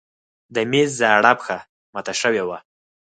د مېز زاړه پښه مات شوې وه.